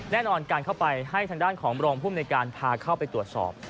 แน่นอนการเข้าไปให้ทางด้านของรองภูมิในการพาเข้าไปตรวจสอบ